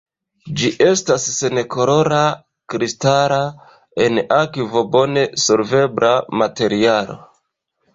Ĝi estas senkolora, kristala, en akvo bone solvebla materialo.